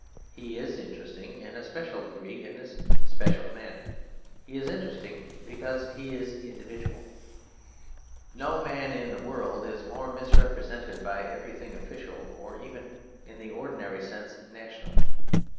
He is interesting in a special degree in this special manner; he is interesting because he is individual. No man in the world is more misrepresented by everything official or even in the ordinary sense national.